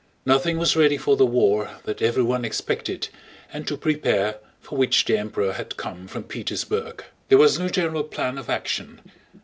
Nothing was ready for the war that everyone expected and to prepare for which the Emperor had come from Petersburg. There was no general plan of action.